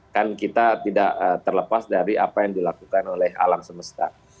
kan kita tidak terlepas dari apa yang dilakukan oleh alam semesta